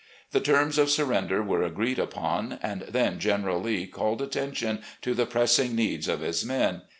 The terms of surrender were agreed upon, and then General Lee called attention to the pressing needs of his men.